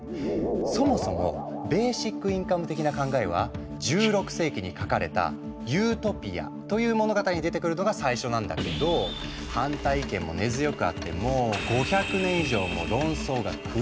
そもそもベーシックインカム的な考えは１６世紀に書かれた「ユートピア」という物語に出てくるのが最初なんだけど反対意見も根強くあってもう５００年以上も論争が繰り広げられてきたんだ。